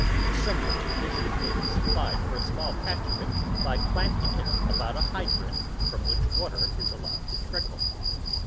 Similar conditions may be supplied for a small patch of it by planting it about a hydrant from which water is allowed to trickle.